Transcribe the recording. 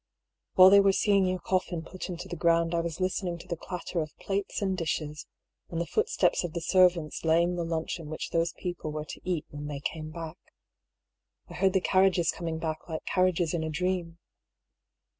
While they were seeing your coffin put into the ground I was listening to the clatter of plates and dishes, and the footsteps of the servants laying the luncheon which those people were to eat when they came back. I heard the carriages coming back like carriages in a dream.